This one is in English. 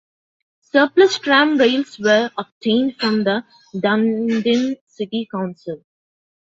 Surplus tram rails were obtained from the Dunedin City Council.